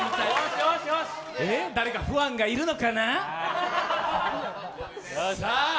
誰かファンがいるのかな？